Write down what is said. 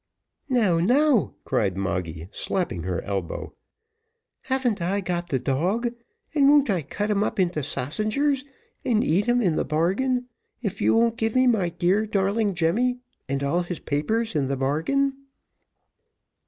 "Now, now," cried Moggy, slapping her elbow, "hav'n't I got the dog, and won't I cut him up into sassingers and eat him in the bargain, if you won't give me my dear darling Jemmy and all his papers in the bargain?"